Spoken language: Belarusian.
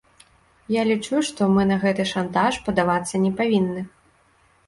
Я лічу, што мы на гэты шантаж паддавацца не павінны.